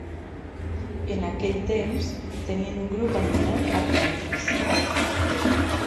En aquell temps, tenien un grup anomenat "Atlantis".